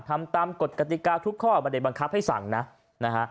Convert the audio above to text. ทำตามกฎกติกาทุกข้อไม่ได้บังคับให้สั่งนะนะฮะ